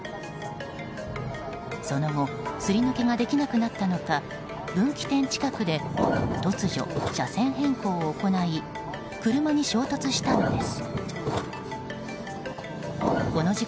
その後すり抜けができなくなったのか分岐点近くで突如、車線変更を行い車に衝突したのです。